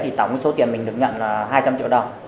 thì tổng số tiền mình được nhận là hai trăm linh triệu đồng